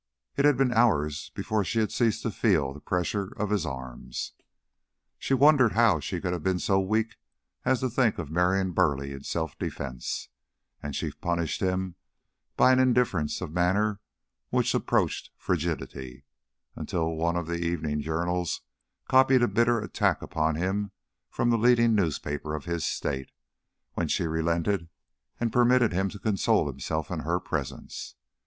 It had been hours before she had ceased to feel the pressure of his arms. She wondered how she could have been so weak as to think of marrying Burleigh in self defence, and she punished him by an indifference of manner which approached frigidity; until one of the evening journals copied a bitter attack upon him from the leading newspaper of his State, when she relented and permitted him to console himself in her presence.